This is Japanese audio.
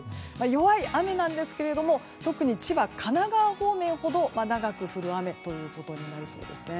弱い雨なんですが特に千葉、神奈川方面ほど長く降る雨ということになりそうです。